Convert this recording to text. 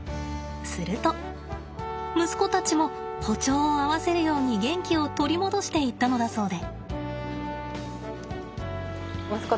すると息子たちも歩調を合わせるように元気を取り戻していったのだそうで。